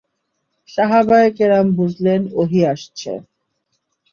সাহাবায়ে কেরাম বুঝলেন, ওহী আসছে।